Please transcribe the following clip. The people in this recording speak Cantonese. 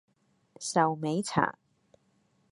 壽眉茶